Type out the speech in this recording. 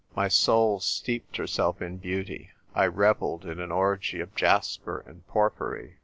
My soul steeped herself in beauty. I revelled in an orgy of jasper and porphyry.